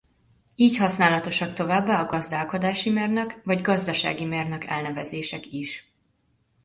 Így használatosak továbbá a gazdálkodási mérnök vagy gazdasági mérnök elnevezések is.